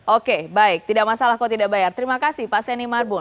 oke baik tidak masalah kalau tidak bayar terima kasih pak senni marbum